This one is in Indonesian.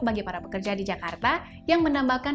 bagi para pekerja di jakarta yang menambahkan